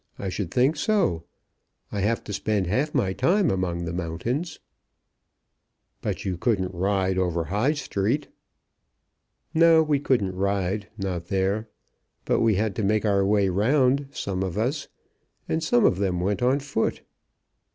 I should think so. I have to spend half my time among the mountains." "But you couldn't ride over High Street?" "No, we couldn't ride; not there. But we had to make our way round, some of us, and some of them went on foot.